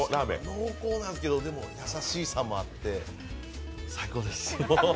濃厚なんですけど、でも優しさもあって最高です。